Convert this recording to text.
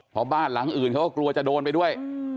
เพราะบ้านหลังอื่นเขาก็กลัวจะโดนไปด้วย